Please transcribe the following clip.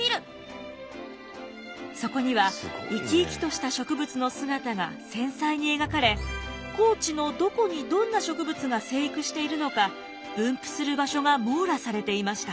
そこには生き生きとした植物の姿が繊細に描かれ高知のどこにどんな植物が生育しているのか分布する場所が網羅されていました。